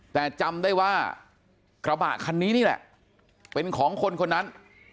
แต่จำได้ว่ากระบะคันนี้นี่แหละเป็นของคนคนนั้น